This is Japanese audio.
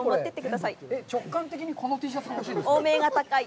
直観的に、このＴシャツが欲しいんですけど。